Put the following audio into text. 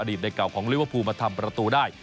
ตในเก่าของลิเวอร์พูลมาทำประตูได้